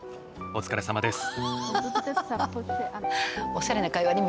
お疲れさまです。